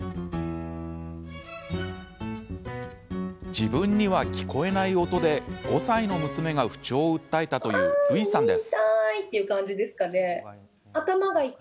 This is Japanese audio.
自分には聞こえない音で５歳の娘が不調を訴えたというるいさんです。